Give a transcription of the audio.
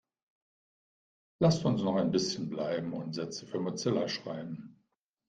Lasst uns noch ein bisschen bleiben und Sätze für Mozilla schreiben.